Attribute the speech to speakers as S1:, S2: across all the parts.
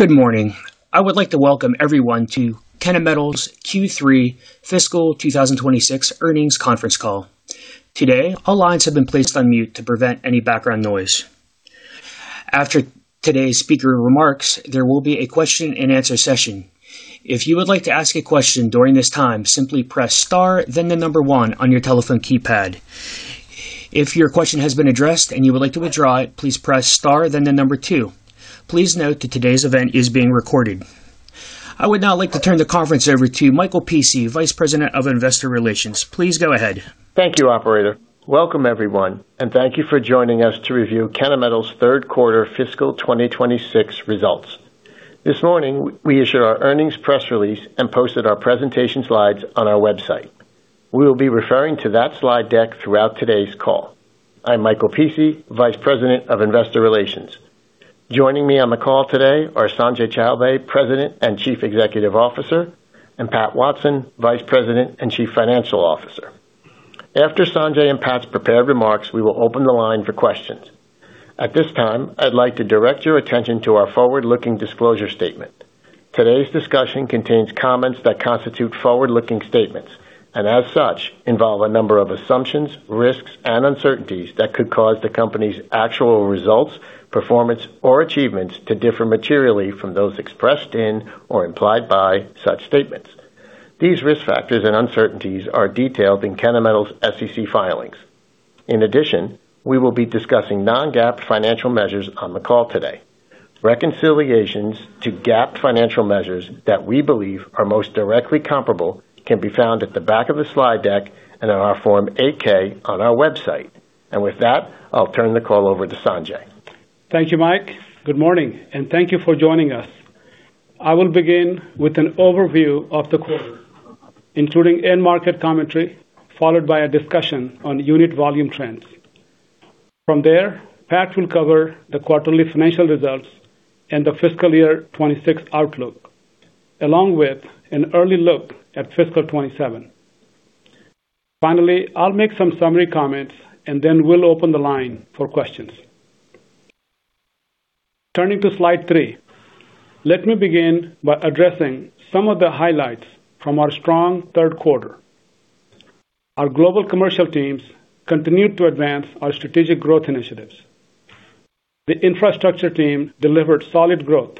S1: Good morning. I would like to welcome everyone to Kennametal's Q3 fiscal 2026 earnings conference call. Today, all lines have been placed on mute to prevent any background noise. After today's speaker remarks, there will be a question-and-answer session. If you would like to ask a question during this time, simply press star then the number one on your telephone keypad. If your question has been addressed and you would like to withdraw it, please press star then the number two. Please note that today's event is being recorded. I would now like to turn the conference over to Michael Pici, Vice President of Investor Relations. Please go ahead.
S2: Thank you, operator. Welcome, everyone, and thank you for joining us to review Kennametal's third quarter fiscal 2026 results. This morning, we issued our earnings press release and posted our presentation slides on our website. We will be referring to that slide deck throughout today's call. I'm Michael Pici, Vice President of Investor Relations. Joining me on the call today are Sanjay Chowbey, President and Chief Executive Officer, and Patrick Watson, Vice President and Chief Financial Officer. After Sanjay and Pat's prepared remarks, we will open the line for questions. At this time, I'd like to direct your attention to our forward-looking disclosure statement. Today's discussion contains comments that constitute forward-looking statements and, as such, involve a number of assumptions, risks, and uncertainties that could cause the company's actual results, performance, or achievements to differ materially from those expressed in or implied by such statements. These risk factors and uncertainties are detailed in Kennametal's SEC filings. In addition, we will be discussing non-GAAP financial measures on the call today. Reconciliations to GAAP financial measures that we believe are most directly comparable can be found at the back of the slide deck and in our Form 8-K on our website. With that, I'll turn the call over to Sanjay.
S3: Thank you, Mike. Good morning, and thank you for joining us. I will begin with an overview of the quarter, including end market commentary, followed by a discussion on unit volume trends. From there, Pat will cover the quarterly financial results and the fiscal year 2026 outlook, along with an early look at fiscal 2027. Finally, I'll make some summary comments, and then we'll open the line for questions. Turning to slide three. Let me begin by addressing some of the highlights from our strong third quarter. Our global commercial teams continued to advance our strategic growth initiatives. The Infrastructure team delivered solid growth.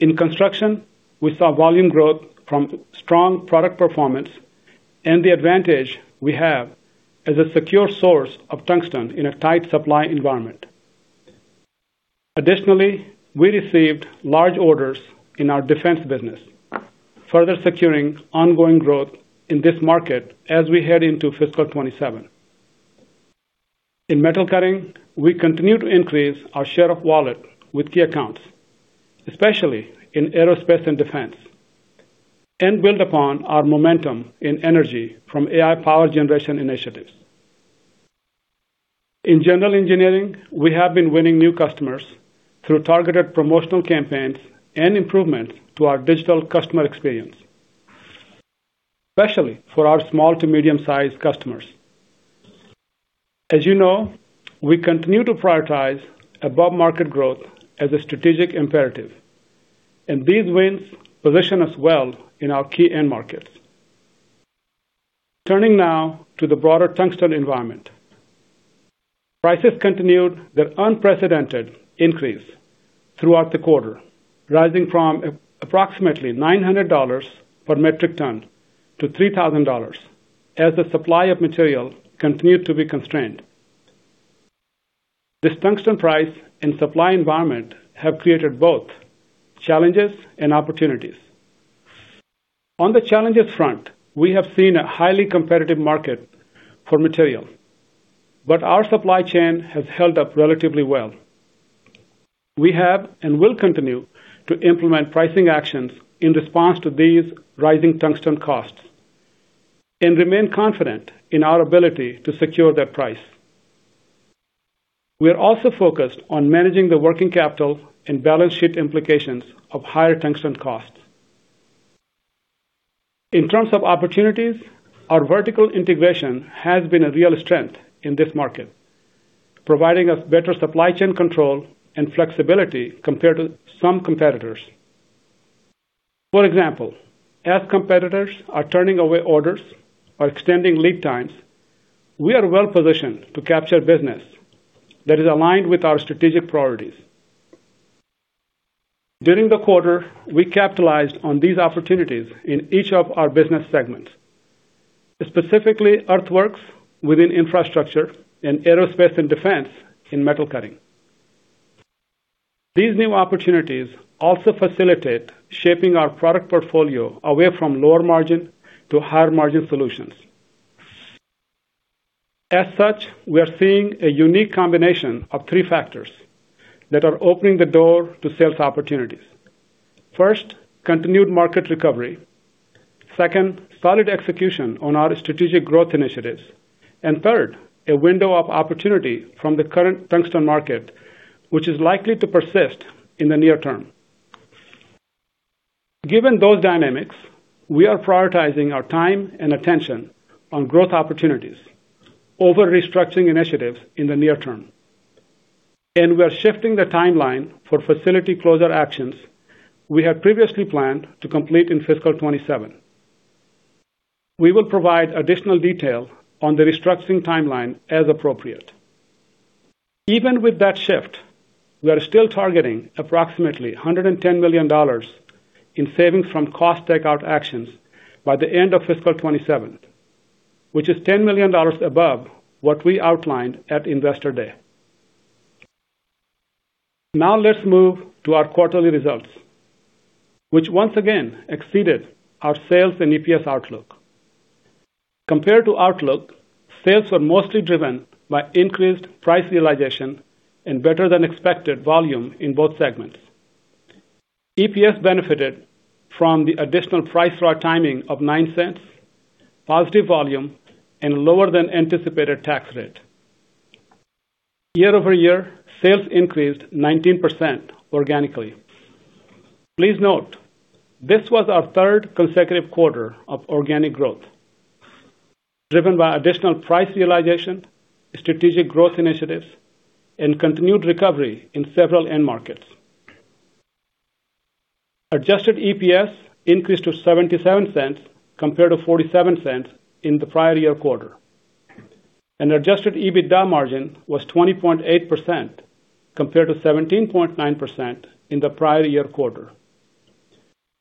S3: In construction, we saw volume growth from strong product performance and the advantage we have as a secure source of tungsten in a tight supply environment. Additionally, we received large orders in our defense business, further securing ongoing growth in this market as we head into fiscal 2027. In Metal Cutting, we continue to increase our share of wallet with key accounts, especially in aerospace and defense, and build upon our momentum in energy from AI power generation initiatives. In general engineering, we have been winning new customers through targeted promotional campaigns and improvements to our digital customer experience, especially for our small to medium-sized customers. As you know, we continue to prioritize above-market growth as a strategic imperative, and these wins position us well in our key end markets. Turning now to the broader tungsten environment. Prices continued their unprecedented increase throughout the quarter, rising from approximately $900 per metric ton to $3,000 as the supply of material continued to be constrained. This tungsten price and supply environment have created both challenges and opportunities. On the challenges front, we have seen a highly competitive market for material, but our supply chain has held up relatively well. We have and will continue to implement pricing actions in response to these rising tungsten costs and remain confident in our ability to secure that price. We are also focused on managing the primary working capital and balance sheet implications of higher tungsten costs. In terms of opportunities, our vertical integration has been a real strength in this market, providing us better supply chain control and flexibility compared to some competitors. For example, as competitors are turning away orders or extending lead times, we are well-positioned to capture business that is aligned with our strategic priorities. During the quarter, we capitalized on these opportunities in each of our business segments, specifically Earthworks within Infrastructure and aerospace & defense in Metal Cutting. These new opportunities also facilitate shaping our product portfolio away from lower margin to higher margin solutions. As such, we are seeing a unique combination of three factors that are opening the door to sales opportunities. First, continued market recovery. Second, solid execution on our strategic growth initiatives. Third, a window of opportunity from the current tungsten market, which is likely to persist in the near term. Given those dynamics, we are prioritizing our time and attention on growth opportunities over restructuring initiatives in the near term. We are shifting the timeline for facility closure actions we had previously planned to complete in fiscal 2027. We will provide additional detail on the restructuring timeline as appropriate. Even with that shift, we are still targeting approximately $110 million in savings from cost takeout actions by the end of fiscal 2027, which is $10 million above what we outlined at Investor Day. Let's move to our quarterly results, which once again exceeded our sales and EPS outlook. Compared to outlook, sales were mostly driven by increased price realization and better than expected volume in both segments. EPS benefited from the additional price raw timing of $0.09, positive volume, and lower than anticipated tax rate. Year-over-year, sales increased 19% organically. Please note, this was our third consecutive quarter of organic growth, driven by additional price realization, strategic growth initiatives, and continued recovery in several end markets. Adjusted EPS increased to $0.77 compared to $0.47 in the prior year quarter. Adjusted EBITDA margin was 20.8% compared to 17.9% in the prior year quarter.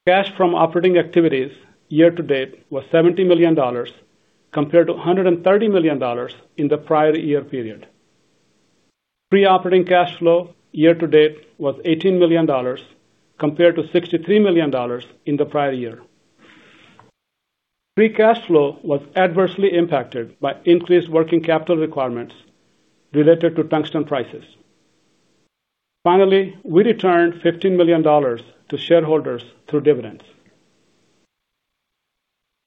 S3: Cash from operating activities year-to-date was $70 million compared to $130 million in the prior year period. Free operating cash flow year-to-date was $18 million compared to $63 million in the prior year. Free operating cash flow was adversely impacted by increased working capital requirements related to tungsten prices. Finally, we returned $15 million to shareholders through dividends.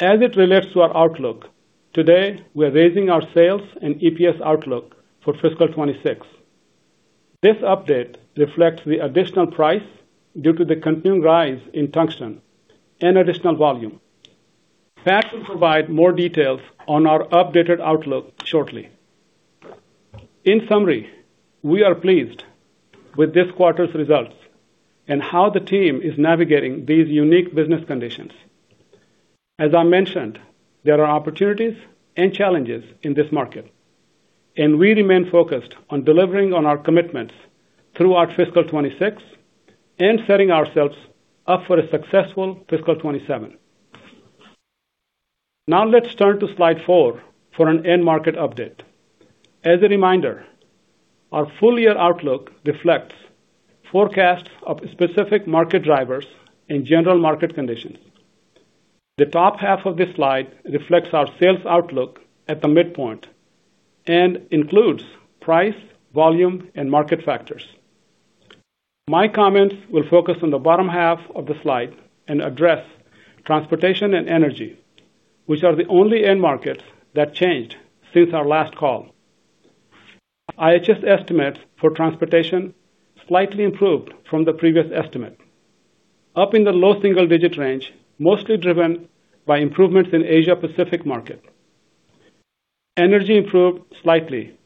S3: As it relates to our outlook, today we are raising our sales and EPS outlook for fiscal 2026. This update reflects the additional price due to the continued rise in tungsten and additional volume. Patrick will provide more details on our updated outlook shortly. In summary, we are pleased with this quarter's results and how the team is navigating these unique business conditions. As I mentioned, there are opportunities and challenges in this market, and we remain focused on delivering on our commitments throughout fiscal 2026 and setting ourselves up for a successful fiscal 27. Now let's turn to slide four for an end market update. As a reminder, our full year outlook reflects forecasts of specific market drivers and general market conditions. The top half of this slide reflects our sales outlook at the midpoint and includes price, volume, and market factors. My comments will focus on the bottom half of the slide and address transportation and energy, which are the only end markets that changed since our last call. IHS estimates for transportation slightly improved from the previous estimate. Up in the low single-digit range, mostly driven by improvements in Asia-Pacific market. Energy improved slightly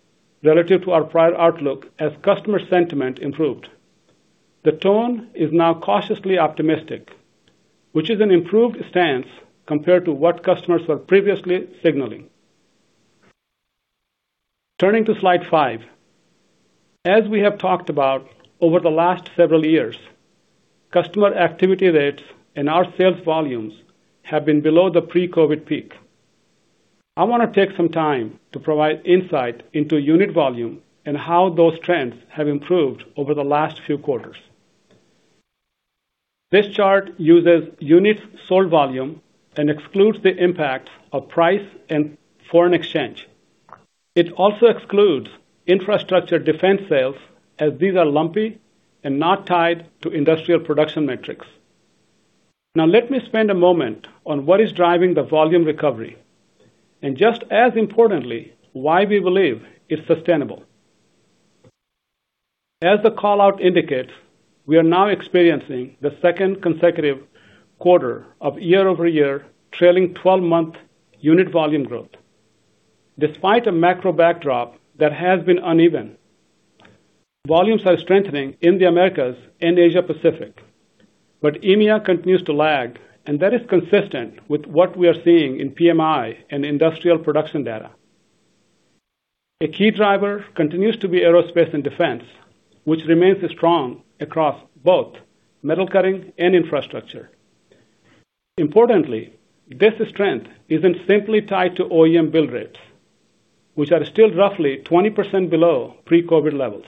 S3: relative to our prior outlook as customer sentiment improved. The tone is now cautiously optimistic, which is an improved stance compared to what customers were previously signaling. Turning to slide five. As we have talked about over the last several years, customer activity rates and our sales volumes have been below the pre-COVID peak. I want to take some time to provide insight into unit volume and how those trends have improved over the last few quarters. This chart uses units sold volume and excludes the impact of price and foreign exchange. It also excludes Infrastructure defense sales, as these are lumpy and not tied to industrial production metrics. Let me spend a moment on what is driving the volume recovery, and just as importantly, why we believe it's sustainable. As the call-out indicates, we are now experiencing the second consecutive quarter of year-over-year trailing 12-month unit volume growth. Despite a macro backdrop that has been uneven, volumes are strengthening in the Americas and Asia Pacific. EMEA continues to lag, and that is consistent with what we are seeing in PMI and industrial production data. A key driver continues to be aerospace and defense, which remains strong across both Metal Cutting and Infrastructure. Importantly, this strength isn't simply tied to OEM build rates, which are still roughly 20% below pre-COVID levels,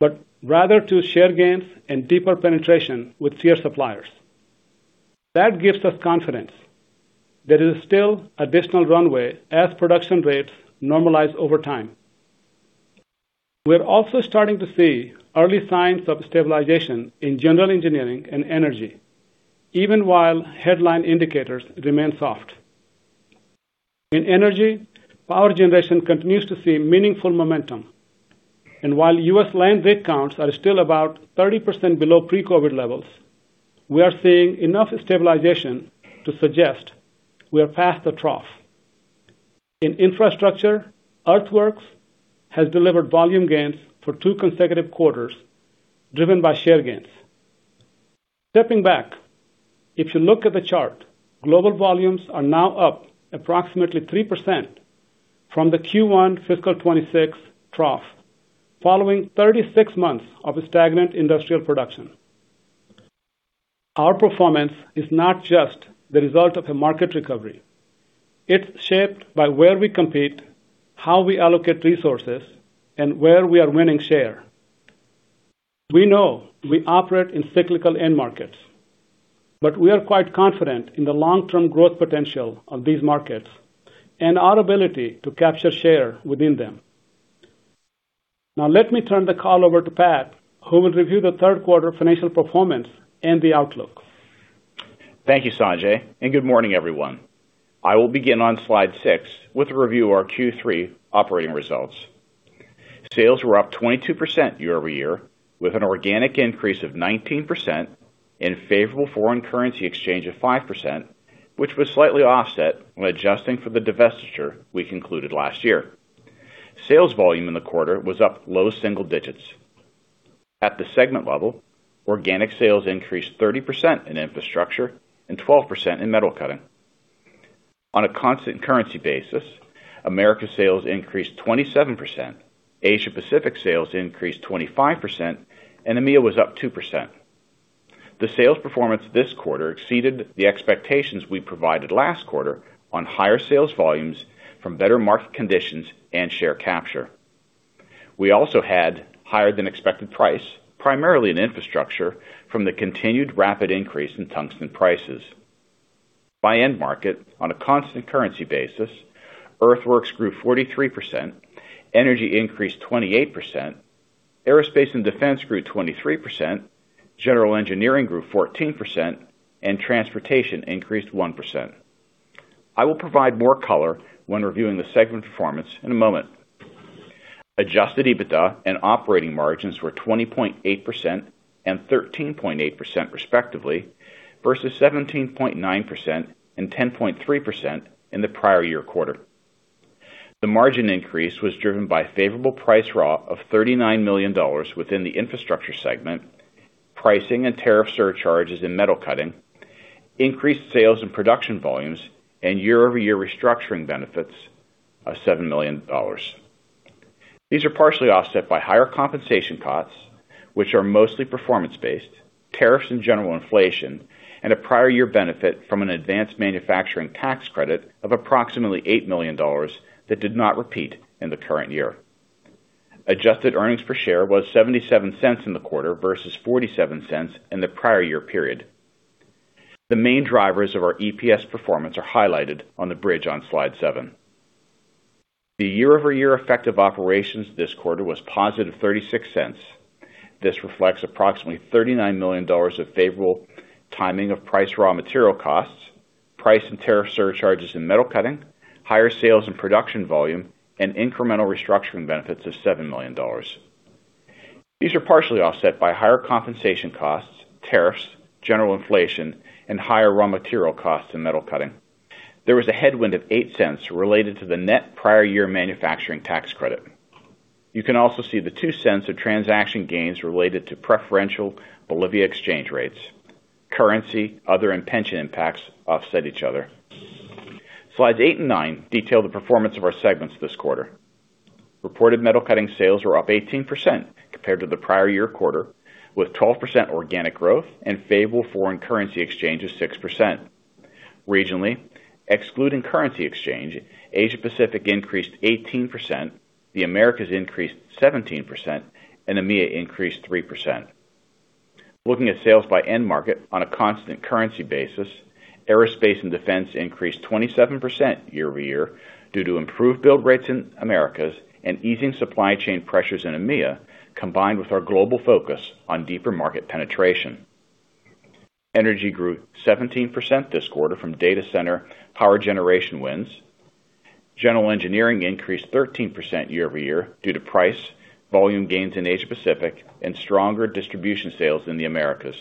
S3: but rather to share gains and deeper penetration with tier suppliers. That gives us confidence there is still additional runway as production rates normalize over time. We are also starting to see early signs of stabilization in general engineering and energy, even while headline indicators remain soft. In energy, power generation continues to see meaningful momentum. While U.S. land rig counts are still about 30% below pre-COVID levels, we are seeing enough stabilization to suggest we are past the trough. In Infrastructure, Earthworks has delivered volume gains for two consecutive quarters, driven by share gains. Stepping back, if you look at the chart, global volumes are now up approximately 3% from the Q1 fiscal 2026 trough, following 36 months of stagnant industrial production. Our performance is not just the result of a market recovery. It's shaped by where we compete, how we allocate resources, and where we are winning share. We know we operate in cyclical end markets, but we are quite confident in the long-term growth potential of these markets and our ability to capture share within them. Let me turn the call over to Pat, who will review the third quarter financial performance and the outlook.
S4: Thank you, Sanjay, good morning, everyone. I will begin on slide six with a review of our Q3 operating results. Sales were up 22% year-over-year, with an organic increase of 19% and favorable foreign currency exchange of 5%, which was slightly offset when adjusting for the divestiture we concluded last year. Sales volume in the quarter was up low single digits. At the segment level, organic sales increased 30% in Infrastructure and 12% in Metal Cutting. On a constant currency basis, America sales increased 27%, Asia Pacific sales increased 25%, and EMEA was up 2%. The sales performance this quarter exceeded the expectations we provided last quarter on higher sales volumes from better market conditions and share capture. We also had higher than expected price, primarily in Infrastructure, from the continued rapid increase in tungsten prices. By end market, on a constant currency basis, Earthworks grew 43%, energy increased 28%, aerospace & defense grew 23%, general engineering grew 14%, and transportation increased 1%. I will provide more color when reviewing the segment performance in a moment. Adjusted EBITDA and operating margins were 20.8% and 13.8% respectively, versus 17.9% and 10.3% in the prior year quarter. The margin increase was driven by favorable price raw of $39 million within the Infrastructure segment, pricing and tariff surcharges in Metal Cutting, increased sales and production volumes, and year-over-year restructuring benefits of $7 million. These are partially offset by higher compensation costs, which are mostly performance-based, tariffs and general inflation, and a prior year benefit from an advanced manufacturing tax credit of approximately $8 million that did not repeat in the current year. Adjusted earnings per share was $0.77 in the quarter versus $0.47 in the prior year period. The main drivers of our EPS performance are highlighted on the bridge on slide seven. The year-over-year effective operations this quarter was positive $0.36. This reflects approximately $39 million of favorable timing of price/raw material costs, price and tariff surcharges in Metal Cutting, higher sales and production volume, and incremental restructuring benefits of $7 million. These are partially offset by higher compensation costs, tariffs, general inflation, and higher raw material costs in Metal Cutting. There was a headwind of $0.08 related to the net prior year manufacturing tax credit. You can also see the $0.02 of transaction gains related to preferential Bolivia exchange rates. Currency, other, and pension impacts offset each other. Slides eight and nine detail the performance of our segments this quarter. Reported Metal Cutting sales were up 18% compared to the prior year quarter, with 12% organic growth and favorable foreign currency exchange of 6%. Regionally, excluding currency exchange, Asia Pacific increased 18%, the Americas increased 17%, and EMEA increased 3%. Looking at sales by end market on a constant currency basis, aerospace & defense increased 27% year-over-year due to improved build rates in Americas and easing supply chain pressures in EMEA, combined with our global focus on deeper market penetration. Energy grew 17% this quarter from data center power generation wins. General engineering increased 13% year-over-year due to price, volume gains in Asia Pacific, and stronger distribution sales in the Americas.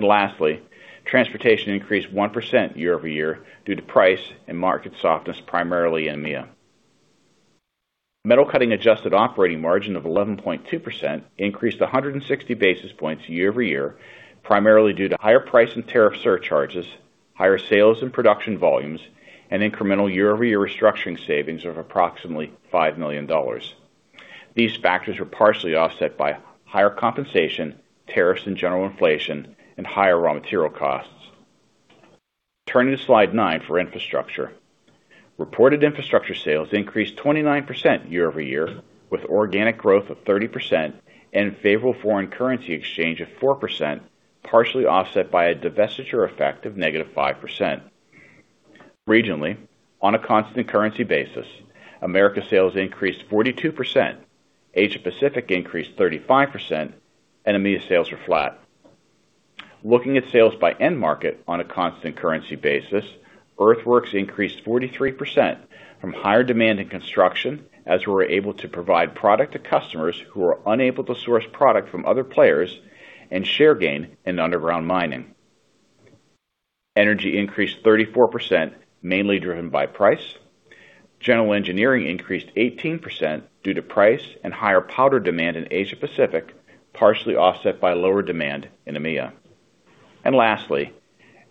S4: Lastly, transportation increased 1% year-over-year due to price and market softness, primarily in EMEA. Metal Cutting adjusted operating margin of 11.2% increased 160 basis points year-over-year, primarily due to higher price and tariff surcharges, higher sales and production volumes, and incremental year-over-year restructuring savings of approximately $5 million. These factors were partially offset by higher compensation, tariffs and general inflation, and higher raw material costs. Turning to slide nine for Infrastructure. Reported Infrastructure sales increased 29% year-over-year, with organic growth of 30% and favorable foreign currency exchange of 4%, partially offset by a divestiture effect of -5%. Regionally, on a constant currency basis, America sales increased 42%, Asia Pacific increased 35%, and EMEA sales were flat. Looking at sales by end market on a constant currency basis, Earthworks increased 43% from higher demand in construction, as we were able to provide product to customers who were unable to source product from other players and share gain in underground mining. Energy increased 34%, mainly driven by price. General engineering increased 18% due to price and higher powder demand in Asia Pacific, partially offset by lower demand in EMEA. Lastly,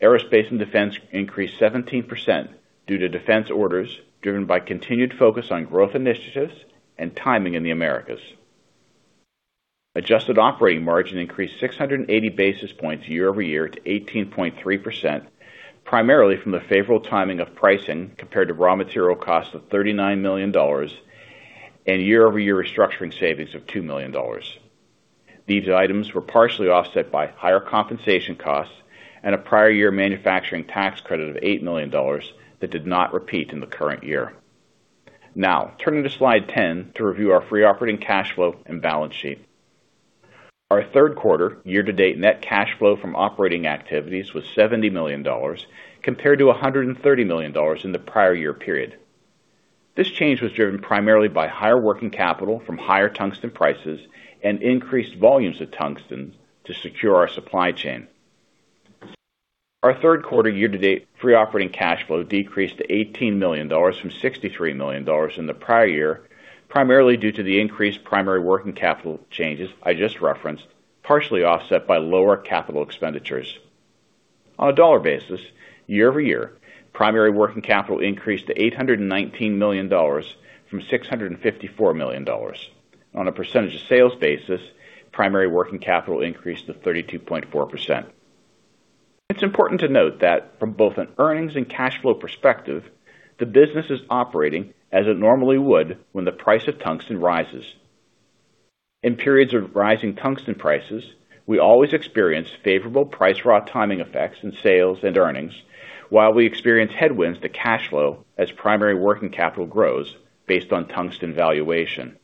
S4: aerospace and defense increased 17% due to defense orders driven by continued focus on growth initiatives and timing in the Americas. Adjusted Operating Margin increased 680 basis points year-over-year to 18.3%, primarily from the favorable timing of pricing compared to raw material costs of $39 million and year-over-year restructuring savings of $2 million. These items were partially offset by higher compensation costs and a prior year manufacturing tax credit of $8 million that did not repeat in the current year. Turning to slide 10 to review our Free Operating Cash Flow and balance sheet. Our third quarter year-to-date net cash flow from operating activities was $70 million compared to $130 million in the prior year period. This change was driven primarily by higher working capital from higher tungsten prices and increased volumes of tungsten to secure our supply chain. Our third quarter year to date Free operating cash flow decreased to $18 million from $63 million in the prior year, primarily due to the increased primary working capital changes I just referenced, partially offset by lower capital expenditures. On a dollar basis, year over year, primary working capital increased to $819 million from $654 million. On a percentage of sales basis, primary working capital increased to 32.4%. It's important to note that from both an earnings and cash flow perspective, the business is operating as it normally would when the price of tungsten rises. In periods of rising tungsten prices, we always experience favorable price raw timing effects in sales and earnings while we experience headwinds to cash flow as primary working capital grows based on tungsten valuation.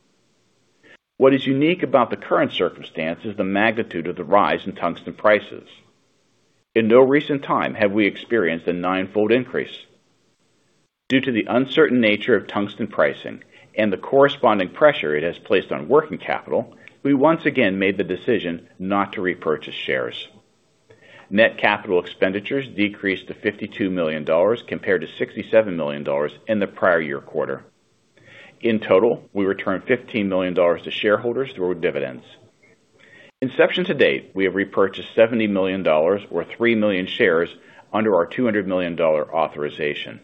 S4: What is unique about the current circumstance is the magnitude of the rise in tungsten prices. In no recent time have we experienced a nine-fold increase. Due to the uncertain nature of tungsten pricing and the corresponding pressure it has placed on working capital, we once again made the decision not to repurchase shares. Net capital expenditures decreased to $52 million compared to $67 million in the prior year quarter. In total, we returned $15 million to shareholders through our dividends. Inception to date, we have repurchased $70 million or 3 million shares under our $200 million authorization.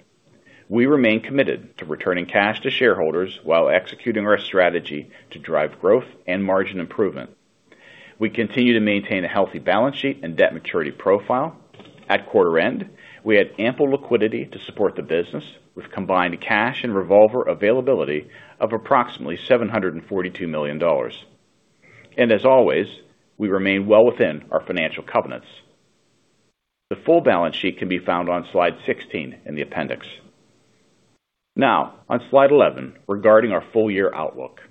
S4: We remain committed to returning cash to shareholders while executing our strategy to drive growth and margin improvement. We continue to maintain a healthy balance sheet and debt maturity profile. At quarter end, we had ample liquidity to support the business with combined cash and revolver availability of approximately $742 million. As always, we remain well within our financial covenants. The full balance sheet can be found on slide 16 in the appendix. Now on slide 11, regarding our full year outlook.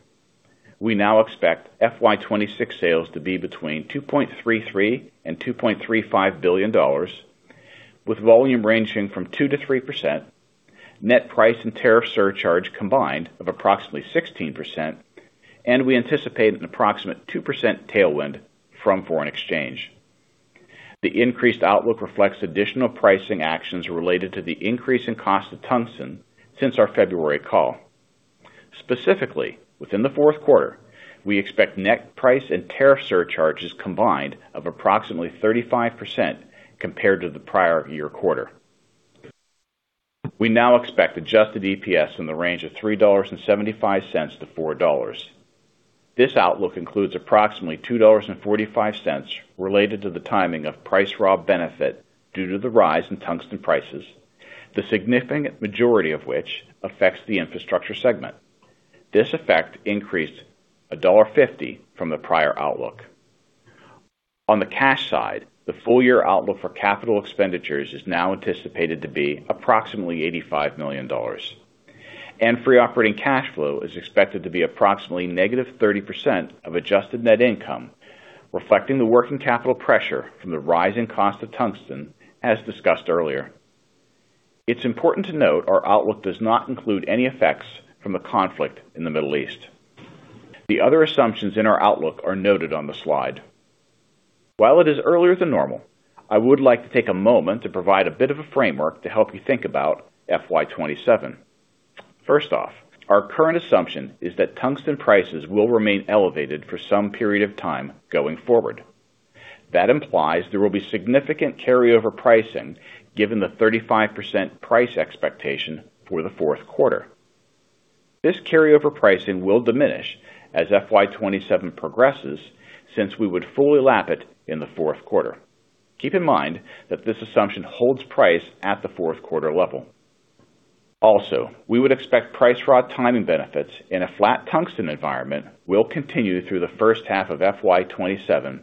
S4: We now expect FY 2026 sales to be between $2.33 billion and $2.35 billion with volume ranging from 2%-3%, net price and tariff surcharge combined of approximately 16%. We anticipate an approximate 2% tailwind from foreign exchange. The increased outlook reflects additional pricing actions related to the increase in cost of tungsten since our February call. Specifically, within the fourth quarter, we expect net price and tariff surcharges combined of approximately 35% compared to the prior year quarter. We now expect Adjusted EPS in the range of $3.75-$4.00. This outlook includes approximately $2.45 related to the timing of price raw benefit due to the rise in tungsten prices, the significant majority of which affects the Infrastructure segment. This effect increased $1.50 from the prior outlook. On the cash side, the full year outlook for capital expenditures is now anticipated to be approximately $85 million, and Free operating cash flow is expected to be approximately negative 30% of adjusted net income, reflecting the working capital pressure from the rise in cost of tungsten as discussed earlier. It's important to note our outlook does not include any effects from the conflict in the Middle East. The other assumptions in our outlook are noted on the slide. While it is earlier than normal, I would like to take a moment to provide a bit of a framework to help you think about FY 2027. First off, our current assumption is that tungsten prices will remain elevated for some period of time going forward. That implies there will be significant carryover pricing given the 35% price expectation for the fourth quarter. This carryover pricing will diminish as FY 2027 progresses since we would fully lap it in the fourth quarter. Keep in mind that this assumption holds price at the fourth quarter level. Also, we would expect price raw timing benefits in a flat tungsten environment will continue through the first half of FY 2027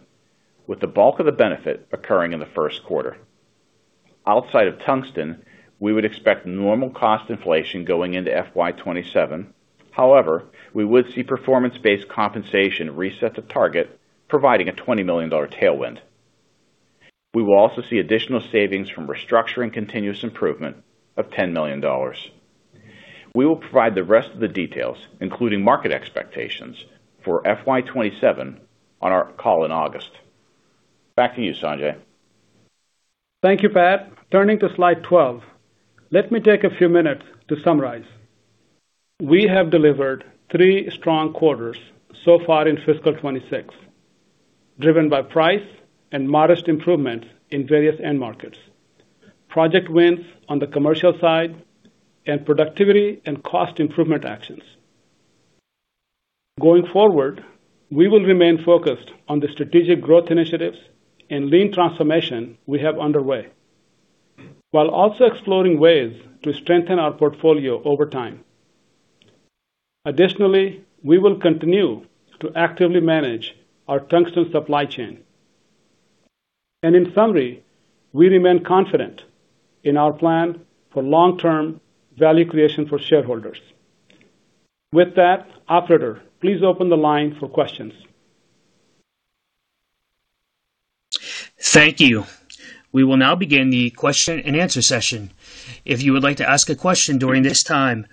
S4: with the bulk of the benefit occurring in the first quarter. Outside of tungsten, we would expect normal cost inflation going into FY 2027. However, we would see performance-based compensation reset the target, providing a $20 million tailwind. We will also see additional savings from restructuring continuous improvement of $10 million. We will provide the rest of the details, including market expectations for FY 2027 on our call in August. Back to you, Sanjay.
S3: Thank you, Pat. Turning to slide 12. Let me take a few minutes to summarize. We have delivered three strong quarters so far in fiscal 2026, driven by price and modest improvements in various end markets, project wins on the commercial side, and productivity and cost improvement actions. Going forward, we will remain focused on the strategic growth initiatives and lean transformation we have underway, while also exploring ways to strengthen our portfolio over time. Additionally, we will continue to actively manage our tungsten supply chain. In summary, we remain confident in our plan for long-term value creation for shareholders. With that, operator, please open the line for questions.
S1: Thank you. We will now begin the question and answer session. Today's first question comes from Stephen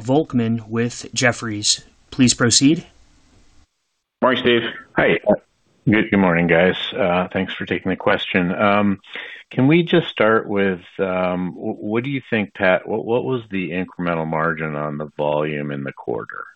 S1: Volkmann with Jefferies. Please proceed.
S4: Morning, Steve.
S5: Hi. Good morning, guys. Thanks for taking the question. Can we just start with, what do you think, Pat? What was the incremental margin on the volume in the quarter?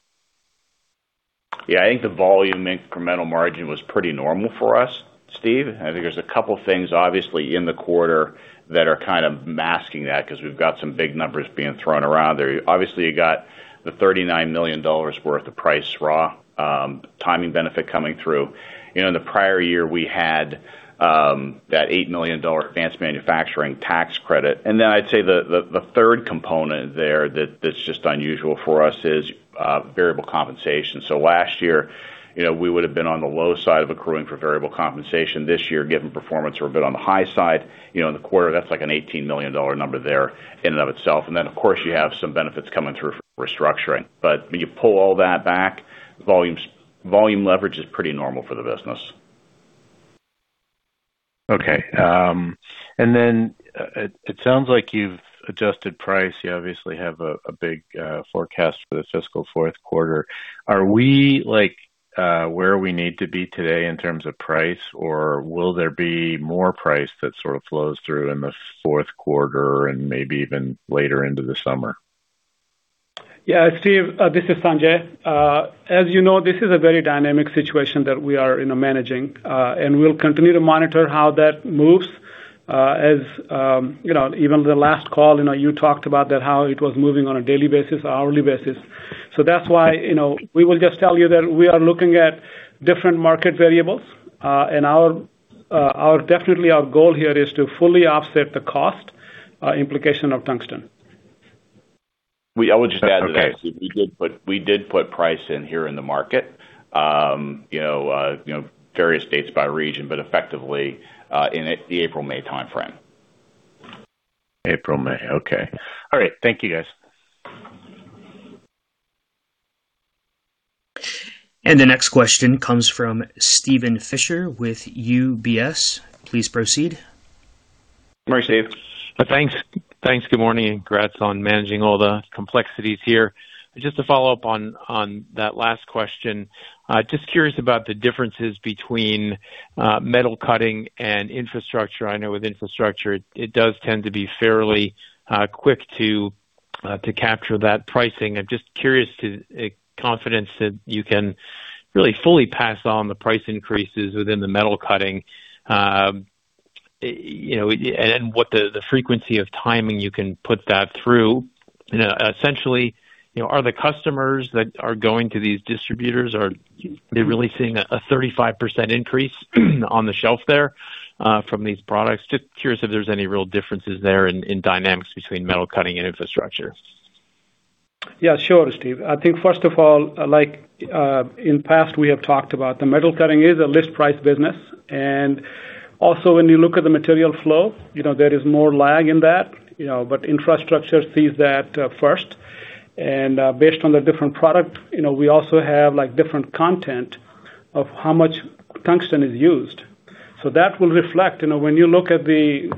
S4: Yeah, I think the volume incremental margin was pretty normal for us, Steve. I think there's a couple things obviously in the quarter that are kind of masking that because we've got some big numbers being thrown around there. You got the $39 million worth of price/raw material timing benefit coming through. You know, in the prior year, we had that $8 million advanced manufacturing tax credit. Then I'd say the third component there that's just unusual for us is variable compensation. Last year, you know, we would have been on the low side of accruing for variable compensation. This year, given performance, we're a bit on the high side. You know, in the quarter, that's like an $18 million number there in and of itself. Then, of course, you have some benefits coming through from restructuring. When you pull all that back, volume leverage is pretty normal for the business.
S5: Okay. It sounds like you've adjusted price. You obviously have a big forecast for the fiscal fourth quarter. Are we, like, where we need to be today in terms of price? Or will there be more price that sort of flows through in the fourth quarter and maybe even later into the summer?
S3: Steve, this is Sanjay. As you know, this is a very dynamic situation that we are, you know, managing, and we'll continue to monitor how that moves. As, you know, even the last call, you know, you talked about that, how it was moving on a daily basis, hourly basis. That's why, you know, we will just tell you that we are looking at different market variables. And our definitely our goal here is to fully offset the cost implication of tungsten.
S4: I would just add to that, Steve. We did put price in here in the market, you know, you know, various dates by region, but effectively, in the April-May timeframe.
S5: April-May. Okay. All right. Thank you, guys.
S1: The next question comes from Steven Fisher with UBS. Please proceed.
S4: Morning, Steve.
S6: Thanks. Good morning, and congrats on managing all the complexities here. Just to follow up on that last question. Just curious about the differences between Metal Cutting and Infrastructure. I know with Infrastructure it does tend to be fairly quick to capture that pricing. I'm just curious to confidence that you can really fully pass on the price increases within the Metal Cutting. You know, what the frequency of timing you can put that through. You know, essentially, you know, are the customers that are going to these distributors, are they really seeing a 35% increase on the shelf there from these products? Just curious if there's any real differences there in dynamics between Metal Cutting and Infrastructure.
S3: Yeah, sure, Steve. I think first of all, like, in past, we have talked about the Metal Cutting is a list price business. Also when you look at the material flow, you know, there is more lag in that, you know, but Infrastructure sees that first. Based on the different product, you know, we also have like different content of how much tungsten is used. That will reflect, you know, when you look at the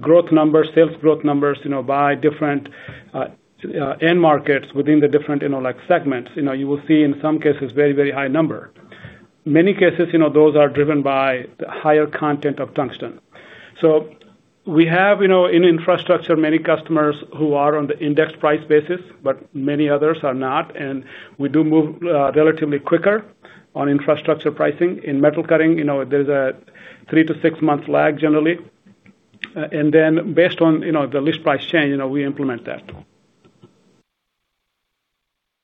S3: growth numbers, sales growth numbers, you know, by different end markets within the different, you know, like segments. You know, you will see in some cases very, very high number. Many cases, you know, those are driven by the higher content of tungsten. We have, you know, in Infrastructure, many customers who are on the index price basis, but many others are not. We do move relatively quicker on Infrastructure pricing. In Metal Cutting, you know, there's a three to six month lag generally. Based on, you know, the list price change, you know, we implement that.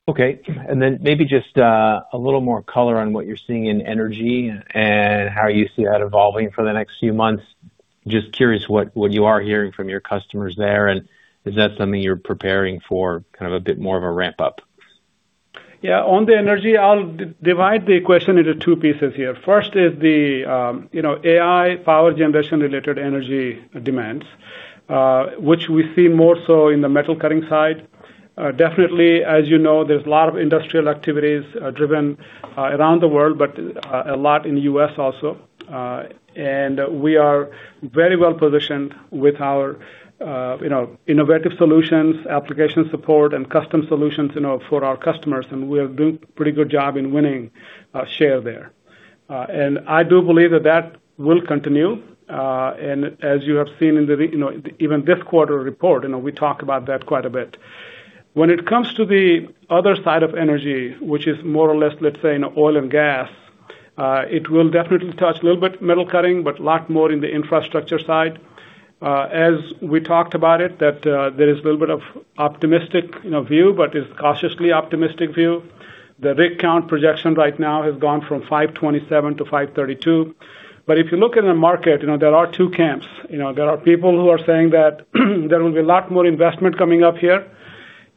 S6: Okay. Then maybe just, a little more color on what you're seeing in energy and how you see that evolving for the next few months. Just curious what you are hearing from your customers there, is that something you're preparing for kind of a bit more of a ramp up?
S3: Yeah. On the energy, I'll divide the question into two pieces here. First is the, you know, AI power generation related energy demands, which we see more so in the Metal Cutting side. Definitely, as you know, there's a lot of industrial activities, driven around the world, but a lot in the U.S. also. And we are very well-positioned with our, you know, innovative solutions, application support, and custom solutions, you know, for our customers, and we are doing pretty good job in winning share there. And I do believe that that will continue. And as you have seen in the, you know, even this quarter report, you know, we talk about that quite a bit. When it comes to the other side of energy, which is more or less, let's say in oil and gas, it will definitely touch a little bit Metal Cutting, but a lot more in the Infrastructure side. As we talked about it, that there is a little bit of optimistic, you know, view, it's cautiously optimistic view. The rig count projection right now has gone from 527 to 532. If you look in the market, you know, there are two camps. You know, there are people who are saying that there will be a lot more investment coming up here.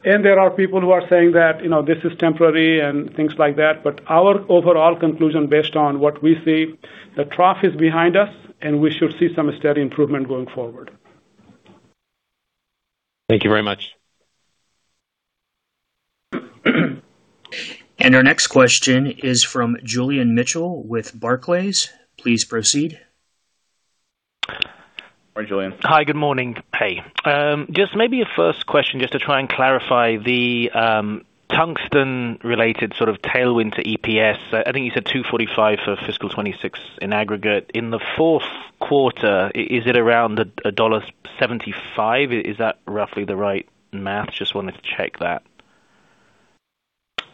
S3: There are people who are saying that, you know, this is temporary and things like that. Our overall conclusion based on what we see, the trough is behind us, and we should see some steady improvement going forward.
S6: Thank you very much.
S1: Our next question is from Julian Mitchell with Barclays. Please proceed.
S4: Hi, Julian.
S7: Hi, good morning. Hey, just maybe a first question just to try and clarify the tungsten related sort of tailwind to EPS. I think you said $2.45 for FY 2026 in aggregate. In the fourth quarter, is it around $1.75? Is that roughly the right math? Just wanted to check that.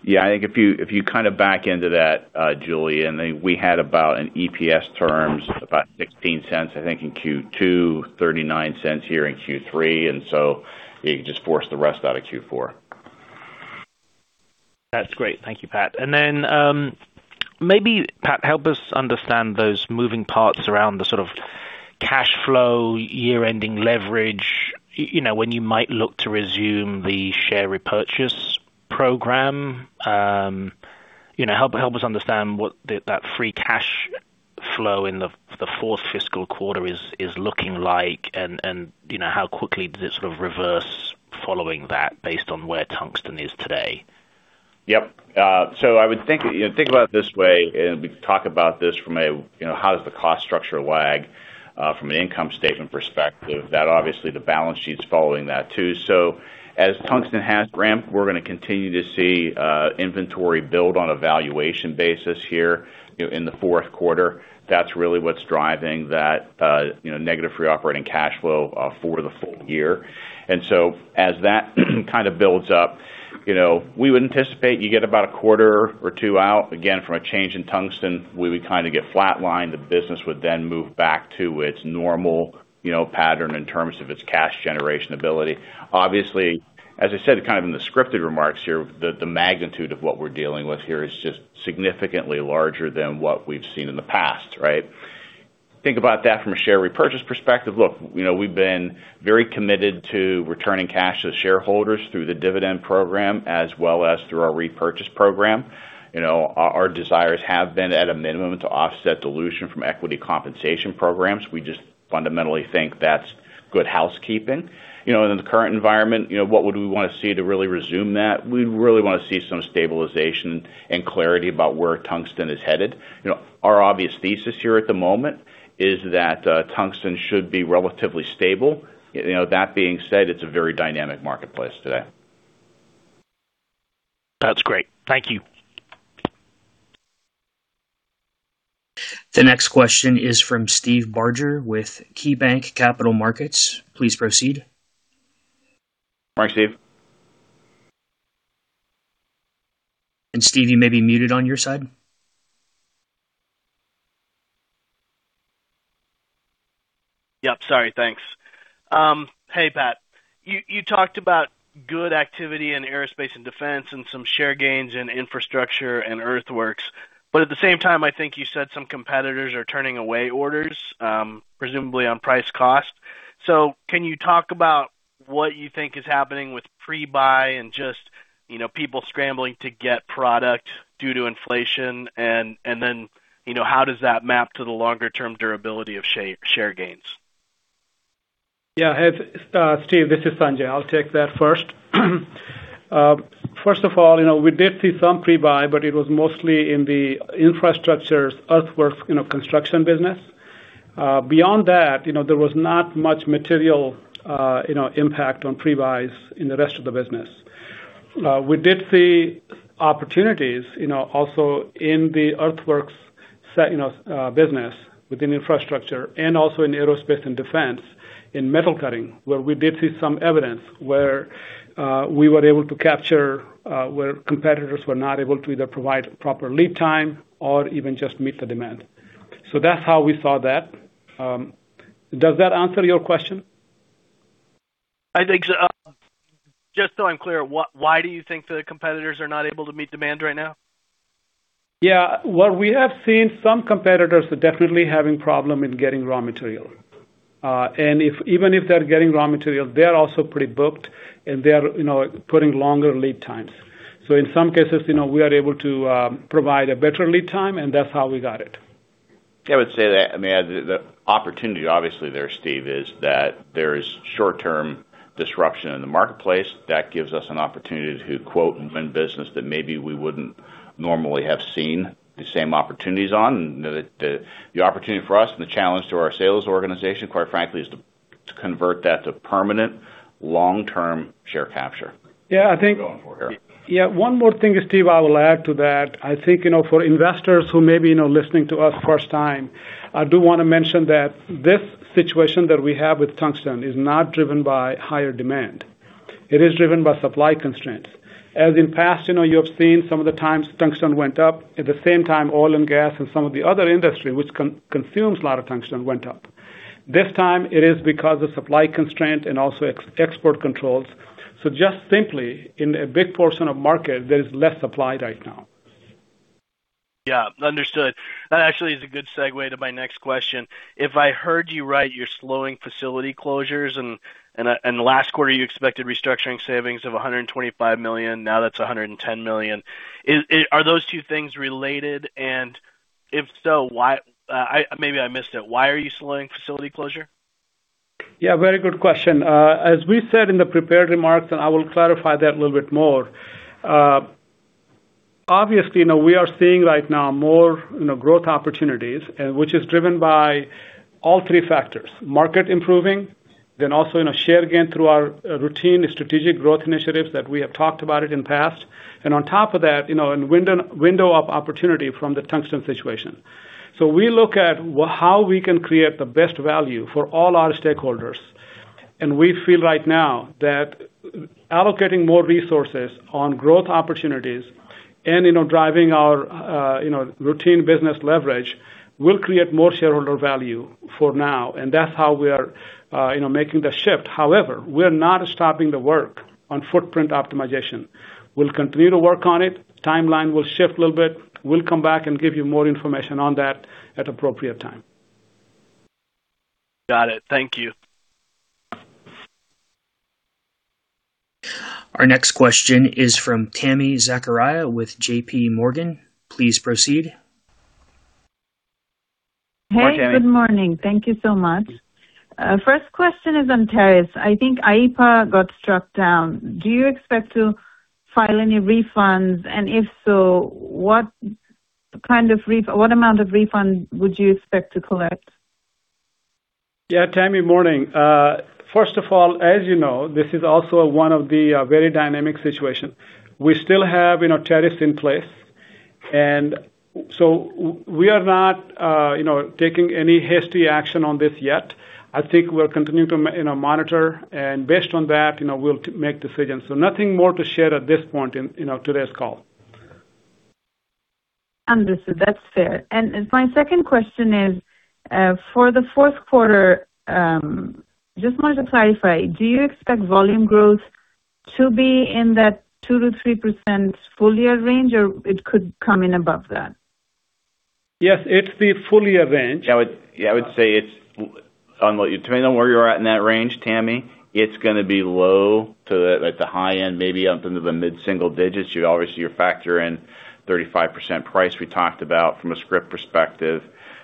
S4: Yeah. I think if you, if you kind of back into that, Julian, I think we had about in EPS terms, about $0.16, I think in Q2, $0.39 here in Q3, and so you just force the rest out of Q4.
S7: That's great. Thank you, Pat. Maybe, Pat, help us understand those moving parts around the sort of cash flow, year-ending leverage, when you might look to resume the share repurchase program. You know, help us understand what that free cash flow in the fourth fiscal quarter is looking like and you know, how quickly does it sort of reverse following that based on where tungsten is today?
S4: Yep. I would think, you know, think about it this way, and we talk about this from a, you know, how does the cost structure lag from an income statement perspective? That obviously the balance sheet's following that too. As tungsten has ramped, we're gonna continue to see inventory build on a valuation basis here, you know, in the fourth quarter. That's really what's driving that, you know, negative free operating cash flow for the full year. As that kind of builds up, you know, we would anticipate you get about a quarter or two out, again, from a change in tungsten, we would kind of get flatlined. The business would then move back to its normal, you know, pattern in terms of its cash generation ability. Obviously, as I said, kind of in the scripted remarks here, the magnitude of what we're dealing with here is just significantly larger than what we've seen in the past, right? Think about that from a share repurchase perspective. Look, you know, we've been very committed to returning cash to shareholders through the dividend program as well as through our repurchase program. You know, our desires have been at a minimum to offset dilution from equity compensation programs. We just fundamentally think that's good housekeeping. You know, in the current environment, you know, what would we wanna see to really resume that? We'd really wanna see some stabilization and clarity about where tungsten is headed. You know, our obvious thesis here at the moment is that tungsten should be relatively stable. You know, that being said, it's a very dynamic marketplace today.
S7: That's great. Thank you.
S1: The next question is from Steve Barger with KeyBanc Capital Markets. Please proceed.
S4: Hi, Steve.
S1: Steve, you may be muted on your side.
S8: Yep, sorry. Thanks. Hey, Pat. You talked about good activity in aerospace and defense and some share gains in Infrastructure and Earthworks. At the same time, I think you said some competitors are turning away orders, presumably on price cost. Can you talk about what you think is happening with pre-buy and just, you know, people scrambling to get product due to inflation and then, you know, how does that map to the longer term durability of share gains?
S3: Yeah. Steve, this is Sanjay. I'll take that first. First of all, you know, we did see some pre-buy. It was mostly in the Infrastructure's Earthwork, you know, construction business. Beyond that, you know, there was not much material, you know, impact on pre-buys in the rest of the business. We did see opportunities, you know, also in the Earthworks you know, business within Infrastructure and also in aerospace and defense in Metal Cutting, where we did see some evidence where we were able to capture where competitors were not able to either provide proper lead time or even just meet the demand. That's how we saw that. Does that answer your question?
S8: I think, so, just so I'm clear, why do you think the competitors are not able to meet demand right now?
S3: Yeah. Well, we have seen some competitors are definitely having problem in getting raw material. If even if they're getting raw materials, they are also pretty booked, and they are, you know, putting longer lead times. In some cases, you know, we are able to provide a better lead time, and that's how we got it.
S4: I would say that, I mean, the opportunity obviously there, Steve, is that there is short-term disruption in the marketplace that gives us an opportunity to quote and win business that maybe we wouldn't normally have seen the same opportunities on. The opportunity for us and the challenge to our sales organization, quite frankly, is to convert that to permanent long-term share capture.
S3: Yeah.
S4: That's what we're going for here.
S3: Yeah, one more thing, Steve, I will add to that. I think, you know, for investors who may be, you know, listening to us first time, I do wanna mention that this situation that we have with tungsten is not driven by higher demand. It is driven by supply constraints. As in past, you know, you have seen some of the times tungsten went up. At the same time, oil and gas and some of the other industry which consumes a lot of tungsten went up. This time it is because of supply constraint and also export controls. Just simply in a big portion of market, there is less supply right now.
S8: Yeah, understood. That actually is a good segue to my next question. If I heard you right, you're slowing facility closures and the last quarter you expected restructuring savings of $125 million, now that's $110 million. Are those two things related? If so, why? I Maybe I missed it. Why are you slowing facility closure?
S3: Yeah, very good question. As we said in the prepared remarks, and I will clarify that a little bit more, obviously, you know, we are seeing right now more, you know, growth opportunities, which is driven by all three factors: market improving, then also, you know, share gain through our routine strategic growth initiatives that we have talked about it in past. On top of that, you know, and window of opportunity from the tungsten situation. We look at how we can create the best value for all our stakeholders, and we feel right now that allocating more resources on growth opportunities and, you know, driving our, you know, routine business leverage will create more shareholder value for now, and that's how we are, you know, making the shift. However, we are not stopping the work on footprint optimization. We'll continue to work on it. Timeline will shift a little bit. We'll come back and give you more information on that at appropriate time.
S8: Got it. Thank you.
S1: Our next question is from Tami Zakaria with JPMorgan. Please proceed.
S3: Hi, Tami.
S9: Good morning. Thank you so much. First question is on tariffs. I think IEEPA got struck down. Do you expect to file any refunds? If so, what kind of what amount of refund would you expect to collect?
S3: Tami, morning. First of all, as you know, this is also one of the very dynamic situation. We still have, you know, tariffs in place, we are not, you know, taking any hasty action on this yet. I think we're continuing to, you know, monitor, based on that, you know, we'll make decisions. Nothing more to share at this point in, you know, today's call.
S9: Understood. That's fair. My second question is, for the fourth quarter, just wanted to clarify, do you expect volume growth to be in that 2%-3% full year range or it could come in above that?
S3: Yes, it's the full year range.
S4: I would say it's depending on where you're at in that range, Tami, it's gonna be low to, like, the high end, maybe up into the mid-single digits. You obviously factor in 35% price we talked about from a script perspective.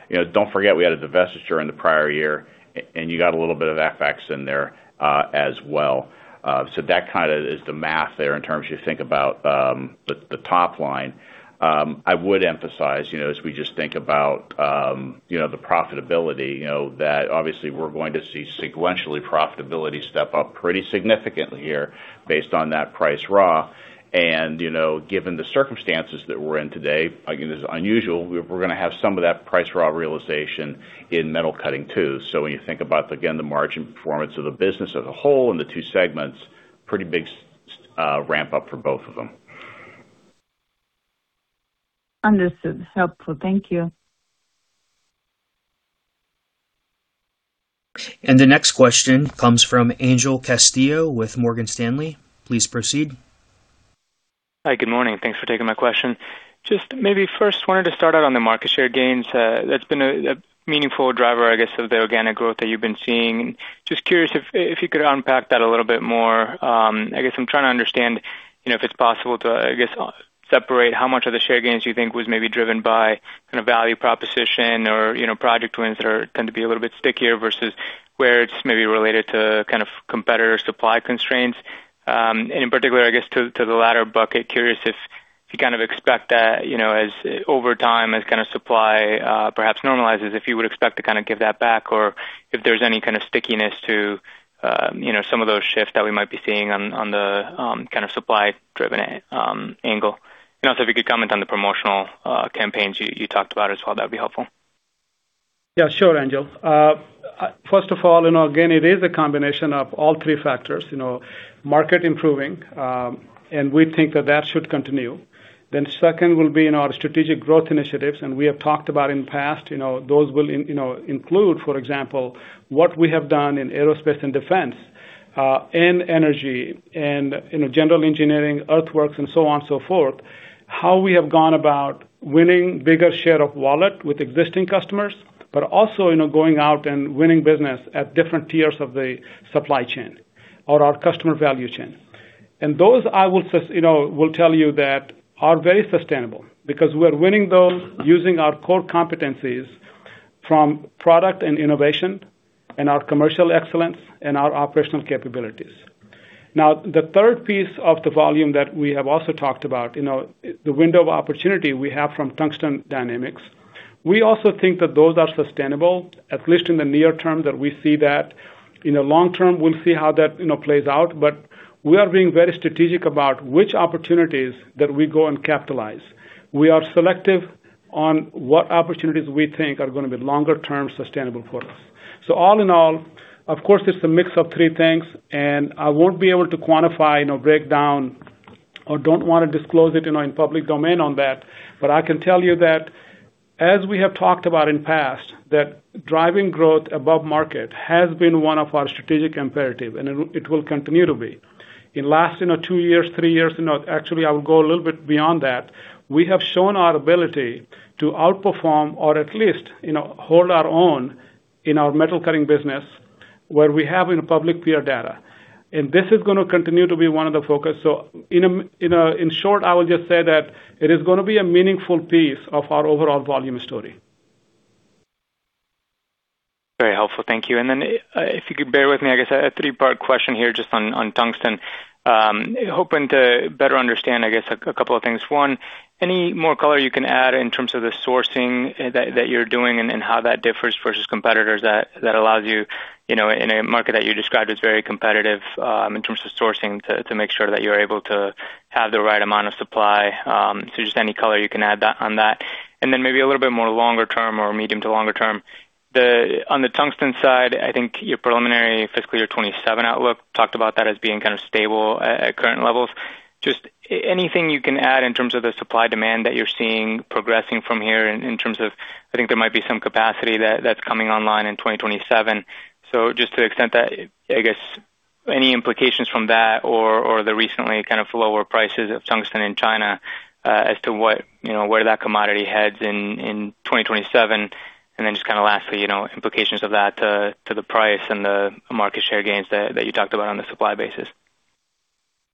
S4: You know, don't forget we had a divestiture in the prior year, and you got a little bit of FX in there as well. That kinda is the math there in terms you think about the top line. I would emphasize, you know, as we just think about, you know, the profitability, you know, that obviously we're going to see sequentially profitability step up pretty significantly here based on that price raw. You know, given the circumstances that we're in today, again, this is unusual, we're gonna have some of that price raw realization in Metal Cutting too. When you think about, again, the margin performance of the business as a whole and the two segments, pretty big ramp up for both of them.
S9: Understood. It's helpful. Thank you.
S1: The next question comes from Angel Castillo with Morgan Stanley. Please proceed.
S10: Hi, good morning. Thanks for taking my question. Just maybe first wanted to start out on the market share gains. That's been a meaningful driver, I guess, of the organic growth that you've been seeing. Just curious if you could unpack that a little bit more. I guess I'm trying to understand, you know, if it's possible to, I guess, separate how much of the share gains you think was maybe driven by kind of value proposition or, you know, project wins that tend to be a little bit stickier versus where it's maybe related to kind of competitor supply constraints. In particular, I guess to the latter bucket, curious if you kind of expect that, you know, as over time, as kind of supply, perhaps normalizes, if you would expect to kind of give that back or if there's any kind of stickiness to, you know, some of those shifts that we might be seeing on the kind of supply-driven angle. Also, if you could comment on the promotional campaigns you talked about as well, that'd be helpful.
S3: Yeah, sure, Angel. First of all, you know, again, it is a combination of all three factors. You know, market improving, and we think that that should continue. Second will be in our strategic growth initiatives, we have talked about in past, you know, those will include, for example, what we have done in aerospace and defense, energy and in general engineering, Earthworks and so on and so forth. How we have gone about winning bigger share of wallet with existing customers, also, you know, going out and winning business at different tiers of the supply chain or our customer value chain. Those I will tell you that are very sustainable because we are winning those using our core competencies from product and innovation and our commercial excellence and our operational capabilities. The third piece of the volume that we have also talked about, you know, the window of opportunity we have from Tungsten Dynamics. We also think that those are sustainable, at least in the near term, that we see that. In the long term, we'll see how that, you know, plays out. We are being very strategic about which opportunities that we go and capitalize. We are selective on what opportunities we think are gonna be longer term sustainable for us. All in all, of course, it's a mix of three things, and I won't be able to quantify, you know, break down or don't wanna disclose it, you know, in public domain on that. I can tell you that as we have talked about in past, that driving growth above market has been one of our strategic imperative, and it will continue to be. In last, you know, two years, three years, you know, actually I would go a little bit beyond that. We have shown our ability to outperform or at least, you know, hold our own in our Metal Cutting business where we have in public peer data. This is gonna continue to be one of the focus. In short, I will just say that it is gonna be a meaningful piece of our overall volume story.
S10: Very helpful. Thank you. If you could bear with me, I guess a three-part question here just on tungsten. Hoping to better understand, I guess a couple of things. One, any more color you can add in terms of the sourcing that you're doing and how that differs versus competitors that allows you know, in a market that you described as very competitive, in terms of sourcing to make sure that you're able to have the right amount of supply. Just any color you can add that, on that. Maybe a little bit more longer term or medium to longer term. On the tungsten side, I think your preliminary fiscal year 2027 outlook talked about that as being kind of stable at current levels. Just anything you can add in terms of the supply demand that you're seeing progressing from here in terms of, I think there might be some capacity that's coming online in 2027. To the extent that, I guess any implications from that or the recently kind of lower prices of tungsten in China, as to what, you know, where that commodity heads in 2027. Lastly, you know, implications of that to the price and the market share gains that you talked about on the supply basis?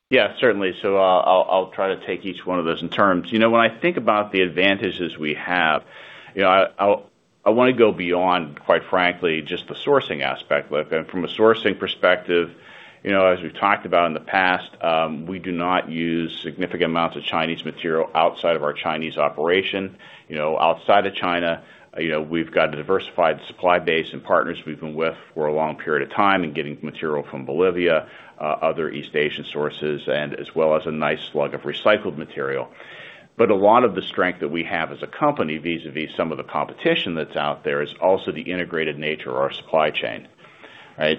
S4: Yeah, certainly. I'll try to take each one of those in terms. You know, when I think about the advantages we have, you know, I want to go beyond, quite frankly, just the sourcing aspect. Like from a sourcing perspective, you know, as we've talked about in the past, we do not use significant amounts of Chinese material outside of our Chinese operation. You know, outside of China, you know, we've got a diversified supply base and partners we've been with for a long period of time and getting material from Bolivia, other East Asian sources and as well as a nice slug of recycled material. A lot of the strength that we have as a company vis-a-vis some of the competition that's out there is also the integrated nature of our supply chain, right?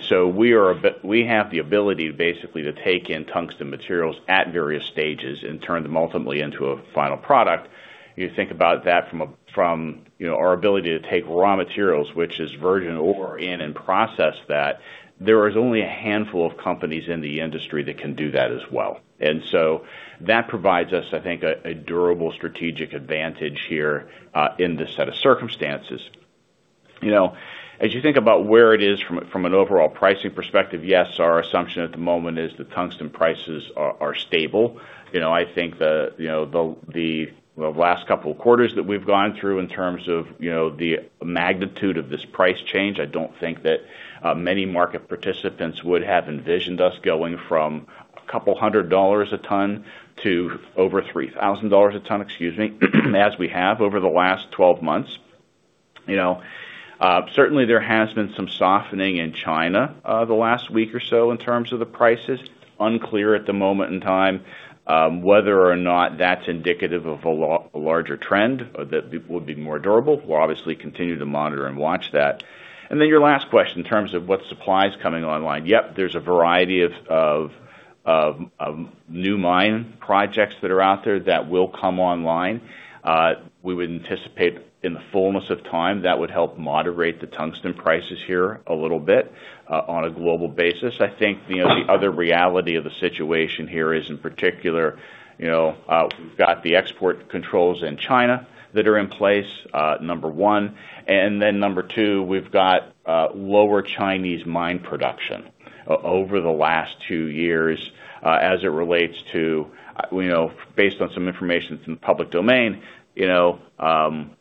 S4: We have the ability basically to take in tungsten materials at various stages and turn them ultimately into a final product. You think about that from a, from, you know, our ability to take raw materials, which is virgin ore in and process that, there is only a handful of companies in the industry that can do that as well. That provides us, I think, a durable strategic advantage here in this set of circumstances. You know, as you think about where it is from an overall pricing perspective, yes, our assumption at the moment is that tungsten prices are stable. You know, I think the, you know, the, the last couple of quarters that we've gone through in terms of, you know, the magnitude of this price change, I don't think that many market participants would have envisioned us going from $200 a ton to over $3,000 a ton, excuse me, as we have over the last 12 months. You know, certainly there has been some softening in China the last week or so in terms of the prices. Unclear at the moment in time whether or not that's indicative of a larger trend that would be more durable. We'll obviously continue to monitor and watch that. Your last question, in terms of what supply is coming online. Yep, there's a variety of new mine projects that are out there that will come online. We would anticipate in the fullness of time, that would help moderate the tungsten prices here a little bit on a global basis. I think, you know, the other reality of the situation here is in particular, you know, we've got the export controls in China that are in place, number one. Number two, we've got lower Chinese mine production over the last two years, as it relates to, you know, based on some information from public domain, you know,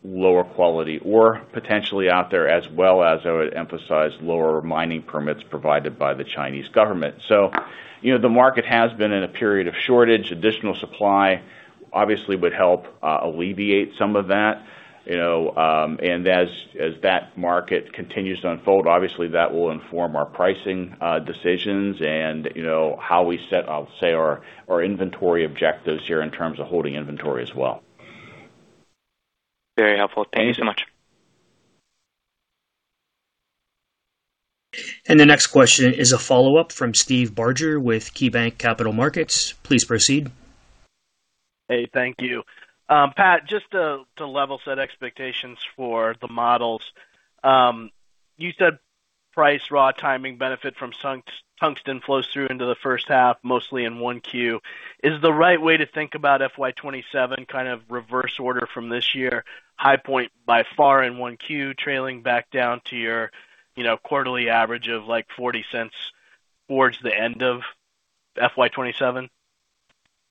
S4: lower quality ore potentially out there as well as I would emphasize lower mining permits provided by the Chinese government. You know, the market has been in a period of shortage. Additional supply obviously would help alleviate some of that, you know, and as that market continues to unfold, obviously that will inform our pricing decisions and, you know, how we set, I'll say, our inventory objectives here in terms of holding inventory as well.
S10: Very helpful. Thank you so much.
S1: The next question is a follow-up from Steve Barger with KeyBanc Capital Markets. Please proceed.
S8: Hey, thank you. Pat, just to level set expectations for the models. You said price/raw material timing benefit from tungsten flows through into the first half, mostly in 1Q. Is the right way to think about FY 2027 kind of reverse order from this year, high point by far in 1Q trailing back down to your, you know, quarterly average of like $0.40 towards the end of FY 2027?
S4: Yeah.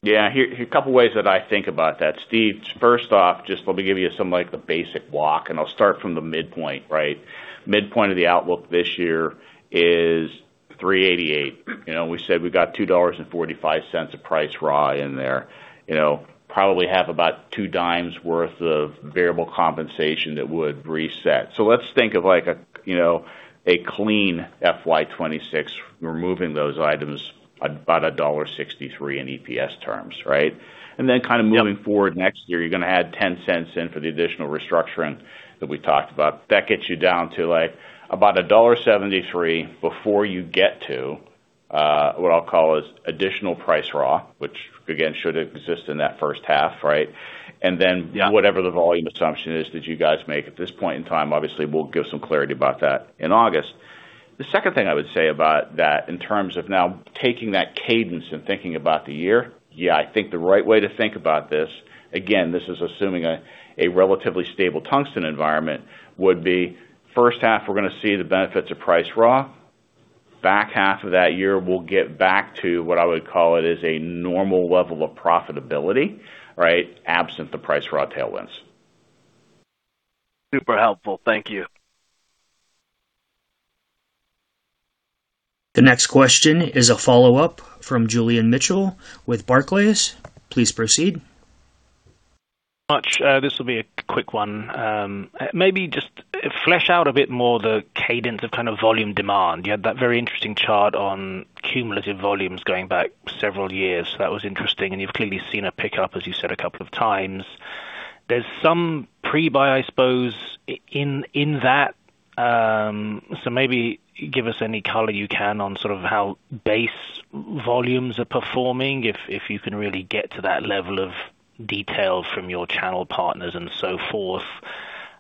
S4: Here a couple ways that I think about that, Steve. First off, just let me give you some like the basic walk, and I'll start from the midpoint, right? Midpoint of the outlook this year is $3.88. You know, we said we got $2.45 a price raw in there. You know, probably have about $0.20 worth of variable compensation that would reset. Let's think of like a, you know, a clean FY 2026, removing those items about $1.63 in EPS terms, right? Kinda moving forward next year, you're gonna add $0.10 in for the additional restructuring that we talked about. That gets you down to like about $1.73 before you get to what I'll call as additional price raw, which again should exist in that first half, right?
S8: Yeah.
S4: Whatever the volume assumption is that you guys make at this point in time. Obviously, we'll give some clarity about that in August. The second thing I would say about that in terms of now taking that cadence and thinking about the year, yeah, I think the right way to think about this, again, this is assuming a relatively stable tungsten environment, would be first half we're gonna see the benefits of price raw. Back half of that year, we'll get back to what I would call it as a normal level of profitability, right, absent the price raw tailwinds.
S8: Super helpful. Thank you.
S1: The next question is a follow-up from Julian Mitchell with Barclays. Please proceed.
S7: Much. This will be a quick one. Maybe just flesh out a bit more the cadence of kind of volume demand. You had that very interesting chart on cumulative volumes going back several years. That was interesting, and you've clearly seen a pickup, as you said, a couple of times. There's some pre-buy, I suppose, in that. Maybe give us any color you can on sort of how base volumes are performing if you can really get to that level of detail from your channel partners and so forth.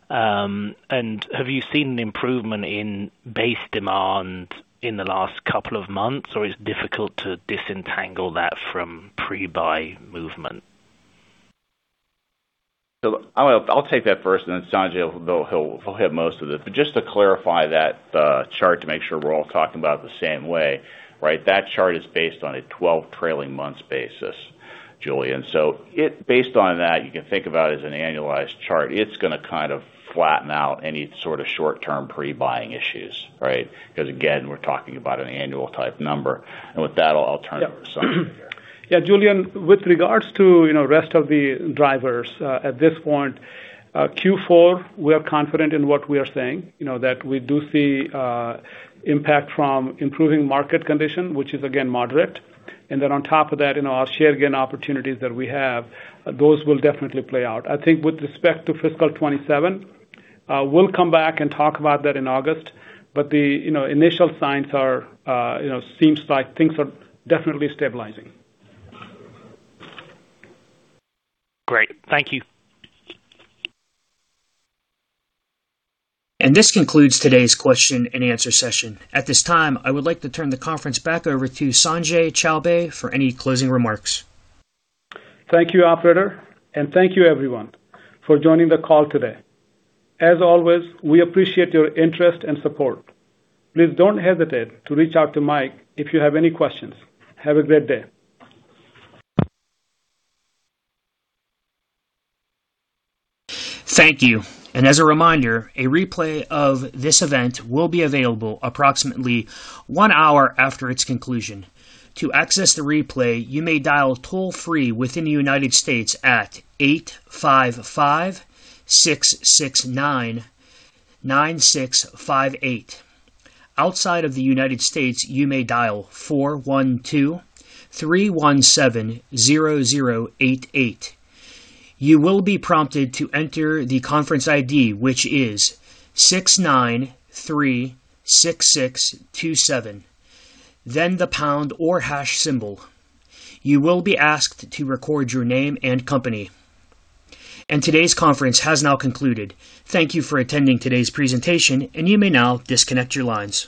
S7: Have you seen an improvement in base demand in the last couple of months, or it's difficult to disentangle that from pre-buy movement?
S4: I'll take that first, and then Sanjay will, he'll hit most of it. Just to clarify that chart to make sure we're all talking about it the same way, right? That chart is based on a 12 trailing months basis, Julian. Based on that, you can think about it as an annualized chart. It's going to kind of flatten out any sort of short-term pre-buying issues, right? Again, we're talking about an annual type number. With that, I'll turn it over to Sanjay here.
S3: Yeah, Julian, with regards to, you know, rest of the drivers, at this point, Q4, we are confident in what we are saying, you know, that we do see impact from improving market condition, which is again, moderate. Then on top of that, you know, our share gain opportunities that we have, those will definitely play out. I think with respect to fiscal 2027, we'll come back and talk about that in August, but the, you know, initial signs are, you know, seems like things are definitely stabilizing.
S7: Great. Thank you.
S1: This concludes today's question and answer session. At this time, I would like to turn the conference back over to Sanjay Chowbey for any closing remarks.
S3: Thank you, operator, and thank you everyone for joining the call today. As always, we appreciate your interest and support. Please don't hesitate to reach out to Mike if you have any questions. Have a great day.
S1: Thank you. As a reminder, a replay of this event will be available approximately one hour after its conclusion. To access the replay, you may dial toll-free within the U.S. at eight five five, six nine nine, nine six five eight. Outside of the U.S., you may dial four one two, three one seven, zero zero eight eight. You will be prompted to enter the conference ID, which is six nine three, six six two seven, then the pound or hash symbol. You will be asked to record your name and company. Today's conference has now concluded. Thank you for attending today's presentation, and you may now disconnect your lines.